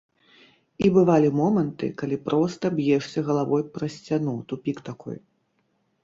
І бывалі моманты, калі проста б'ешся галавой пра сцяну, тупік такой.